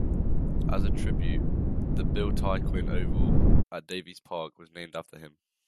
As a tribute, the Bill Tyquin Oval at Davies Park was named after him.